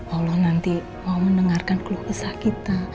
allah nanti mau mendengarkan keluh kesah kita